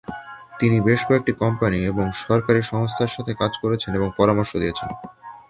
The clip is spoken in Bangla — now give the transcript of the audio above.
তিনি বেশ কয়েকটি কোম্পানি এবং সরকারি সংস্থার সাথে কাজ করেছেন এবং পরামর্শ দিয়েছেন।